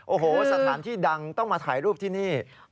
โอ้โหสถานที่ดังต้องมาถ่ายรูปที่นี่